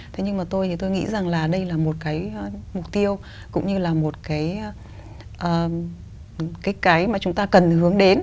thế nhưng mà tôi thì tôi nghĩ rằng là đây là một cái mục tiêu cũng như là một cái mà chúng ta cần hướng đến